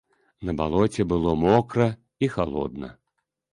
На балоце было мокра і халодна.